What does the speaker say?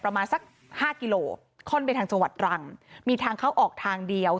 ประมาณสักห้ากิโลค่อนไปทางจังหวัดรังมีทางเข้าออกทางเดียว